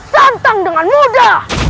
santang dengan muda